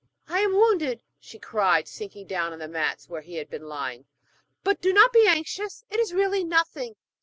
'I am wounded,' she cried, sinking down on the mats where he had been lying, 'but do not be anxious; it is really nothing.